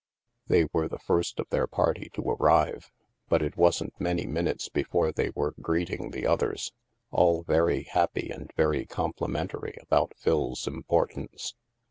HAVEN 311 They were the first of their party to arrive, but it wasn't many minutes before they were greeting the others — all very happy and very complimentary about Phil's importance.